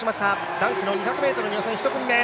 男子２００ｍ予選１組目。